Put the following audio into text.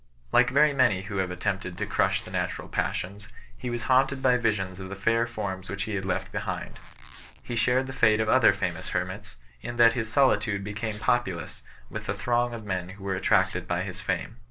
Like very many who have attempted to crush the natural passions, he was haunted by visions of the fair forms which he had left behind. He shared the fate of other famous hermits, in that his solitude became populous with the throng of men who were attracted by his fame.